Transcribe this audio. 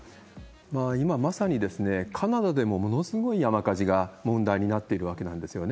今まさにカナダでもものすごい山火事が問題になっているわけなんですよね。